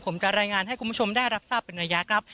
ผมจะรายงานให้คุณผู้ชมได้รับทราบเป็นระยะครับ